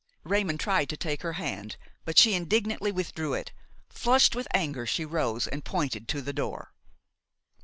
Raymon tried to take her hand; but she indignantly withdrew it. Flushed with anger, she rose and pointed to the door.